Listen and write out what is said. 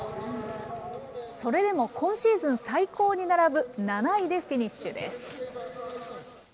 それでも今シーズン最高に並ぶ７位でフィニッシュです。